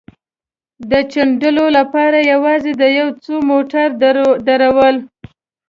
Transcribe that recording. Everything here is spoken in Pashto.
د ځنډولو لپاره یوازې د یو څو موټرو درول.